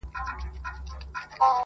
• د مېړه يا ترپ دى يا خرپ -